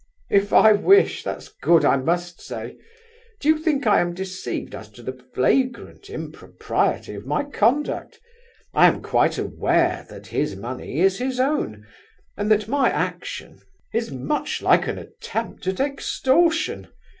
"If I wish! That's good, I must say! Do you think I am deceived as to the flagrant impropriety of my conduct? I am quite aware that his money is his own, and that my action—is much like an attempt at extortion.